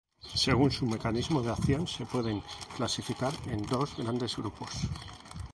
Según su mecanismo de acción se pueden clasificar en dos grandes grupos.